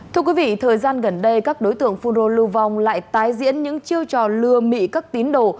thưa quý vị thời gian gần đây các đối tượng phun rô lưu vong lại tái diễn những chiêu trò lừa mị các tín đồ